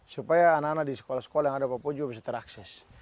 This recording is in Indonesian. supaya anak anak di sekolah sekolah yang ada papua juga bisa terakses